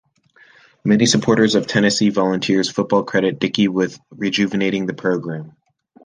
Many supporters of Tennessee Volunteers football credit Dickey with rejuvenating the program.